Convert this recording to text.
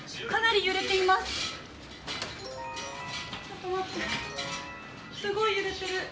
かなり揺れている。